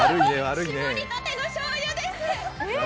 搾りたてのしょうゆです。